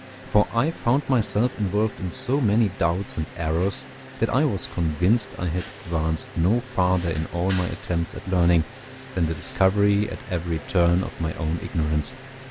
For I found myself involved in so many doubts and errors, that I was convinced I had advanced no farther in all my attempts at learning, than the discovery at every turn of my own ignorance.